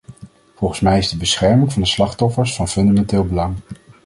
Volgens mij is de bescherming van de slachtoffers van fundamenteel belang.